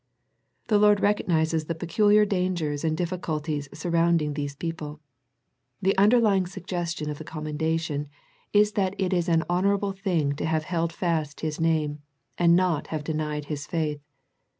The Lord recognizes the peculiar dangers and difficulties surrounding these people. The un derlying suggestion of the commendation is that it is an honourable thing to have held fast His name, and not have denied His faith.